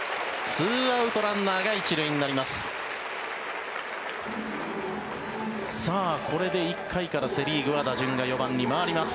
２アウトランナーが１塁になります。